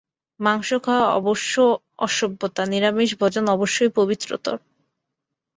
মাংস খাওয়া অবশ্য অসভ্যতা, নিরামিষ-ভোজন অবশ্যই পবিত্রতর।